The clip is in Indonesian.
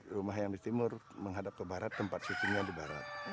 rumah yang di timur menghadap ke barat tempat sistemnya di barat